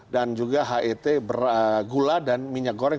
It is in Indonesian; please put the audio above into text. dan juga het bergula dan minyak goreng